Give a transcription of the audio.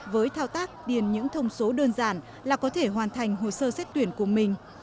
với thao tác điền những thông số đơn giản là có thể hoàn thành hồ sơ xét tuyển của mình